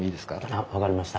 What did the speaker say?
あっ分かりました。